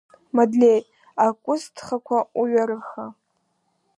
Мадлеи, акәысҭӷақәа уҩарыха.